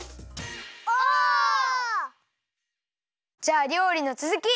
オ！じゃありょうりのつづき！